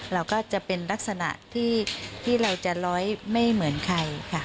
เราก็จะเป็นลักษณะที่เราจะร้อยไม่เหมือนใครค่ะ